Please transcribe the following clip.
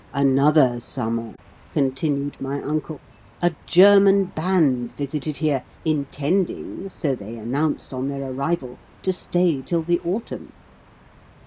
"Another summer," continued my uncle, "a German band visited here, intending so they announced on their arrival to stay till the autumn.